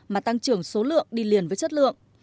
mà tăng trưởng số lượng đi liền với chất lượng